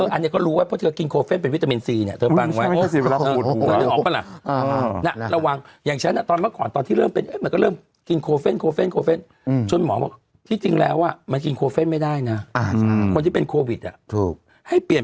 อันนี้ก็รู้ว่าเพราะเธอกินโคเฟนเป็นวิตามินซีเนี้ย